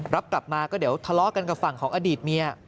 รับกลับมาก็เดี๋ยวทะเลาะกันกับฝั่งของอดีตเมีย